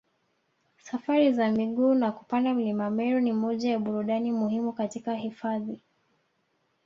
Safari za miguu na kupanda mlima Meru ni moja ya burudani muhimu katika hifadhi